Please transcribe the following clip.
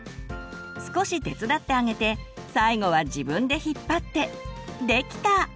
少し手伝ってあげて最後は自分で引っ張ってできた！